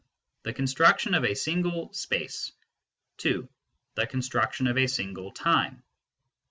the construction of a single space ; 2. the construction of a single time ; 3.